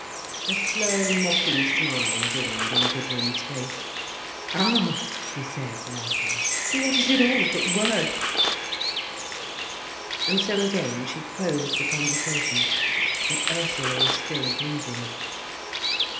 A slow mocking smile dawned on Gudrun's face. "Ah!" she said laughing. "What is it all but words!" And so again she closed the conversation. But Ursula was still brooding.